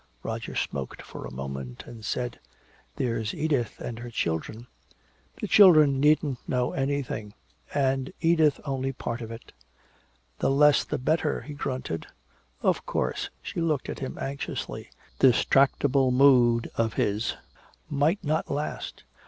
Roger smoked for a moment, and said, "There's Edith and her children." "The children needn't know anything and Edith only part of it." "The less, the better," he grunted. "Of course." She looked at him anxiously. This tractable mood of his might not last.